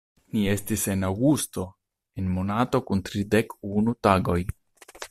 Ni estis en Aŭgusto, en monato kun tridek-unu tagoj.